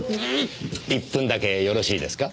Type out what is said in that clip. １分だけよろしいですか？